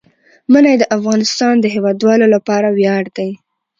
منی د افغانستان د هیوادوالو لپاره ویاړ دی.